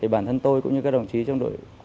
bản thân tôi cũng như các đồng chí trong đội